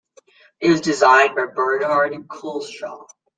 It was designed by Bernard Culshaw.